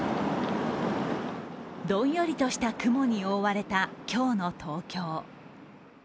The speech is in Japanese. どんよりとした雲に覆われた今日の東京。